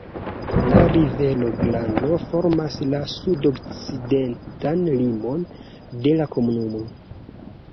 La rivero Glano formas la sudokcidentan limon de la komunumo.